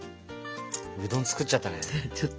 うどん作っちゃったね。